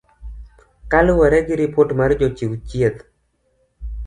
Kaluwore gi rupot mar Jochiw chieth.